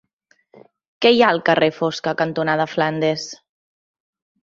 Què hi ha al carrer Fosca cantonada Flandes?